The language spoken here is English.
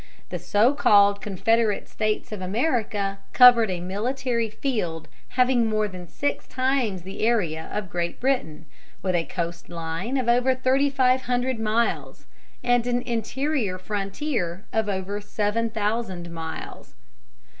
The so called Confederate States of America covered a military field having more than six times the area of Great Britain, with a coast line of over thirty five hundred miles, and an interior frontier of over seven thousand miles.